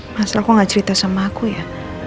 mas roku gak cerita sama aku ya